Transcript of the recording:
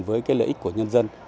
với cái lợi ích của nhân dân